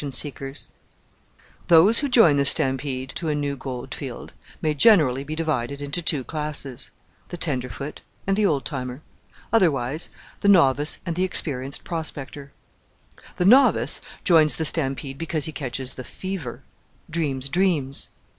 THE HAPPY ENDING 331 THE GREAT GOLD RUSH CHAPTER I THE FORTUNE SEEKERS Those who join the stampede to a new goldfield may generally be divided into two classes, the tenderfoot and the old timer; otherwise, the novice and the experienced prospector. The novice joins the stampede because he catches the "fever" dreams dreams.